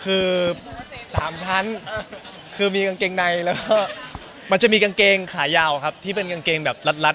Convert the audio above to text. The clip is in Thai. คือ๓ชั้นคือมีกางเกงในแล้วก็มันจะมีกางเกงขายาวครับที่เป็นกางเกงแบบรัด